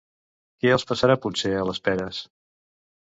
Què els passarà potser a les peres?